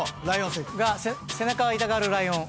背中を痛がるライオン。